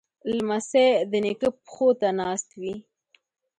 لمسی د نیکه پښو ته ناست وي.